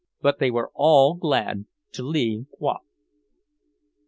But they were all glad to leave Rouen.